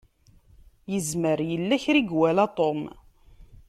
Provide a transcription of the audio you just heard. Izmer yella kra i iwala Tom.